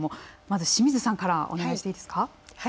まず清水さんからお願いしていいですか？